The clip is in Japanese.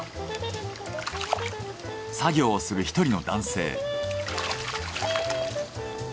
作業をする一人の男性。